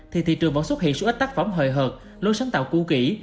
thì thị trường vẫn xuất hiện số ít tác phẩm hời hợp lối sáng tạo cu kỷ